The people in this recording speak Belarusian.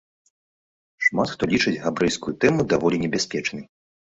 Шмат хто лічыць габрэйскую тэму даволі небяспечнай.